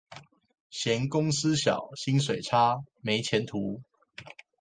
嫌公司小、薪水差、沒前途